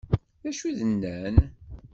D acu d-nnan?